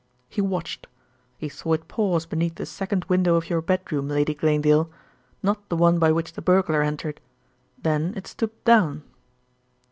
He watched. He saw it pause beneath the second window of your bedroom, Lady Glanedale, not the one by which the burglar entered. Then it stooped down."